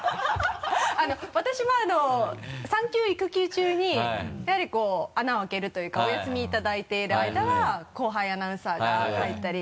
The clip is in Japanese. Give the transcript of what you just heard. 私も産休育休中にやはり穴を開けるというかお休みいただいてるあいだは後輩アナウンサーが入ったり。